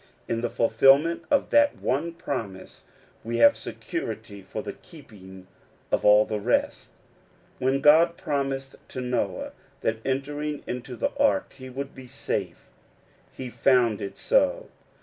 In the fulfilment of that one promise we have security for the keeping of all the rest. When God promised to Noah that entering into the ark he would be safe, he found it so.